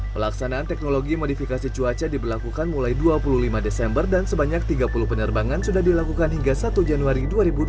pelaksanaan teknologi modifikasi cuaca diberlakukan mulai dua puluh lima desember dan sebanyak tiga puluh penerbangan sudah dilakukan hingga satu januari dua ribu dua puluh